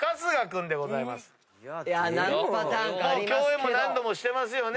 共演も何度もしてますよね